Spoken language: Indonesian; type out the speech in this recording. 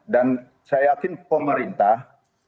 dan saya yakin pemerintah